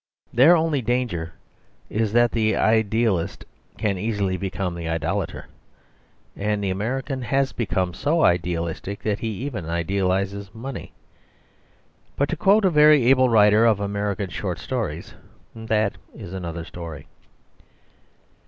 Their only danger is that the idealist can easily become the idolator. And the American has become so idealistic that he even idealises money. But (to quote a very able writer of American short stories) that is another story.